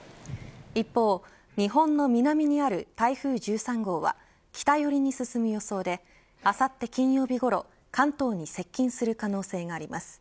一方、日本の南にある台風１３号は北寄りに進む予想であさって金曜日ごろ関東に接近する可能性があります。